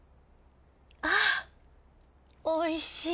あおいしい。